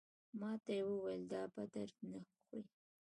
ماته یې وویل دا په درد نه خوري.